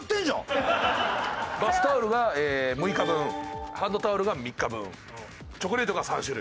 バスタオルが６日分ハンドタオルが３日分チョコレートが３種類。